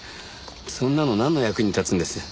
そんなのなんの役に立つんです？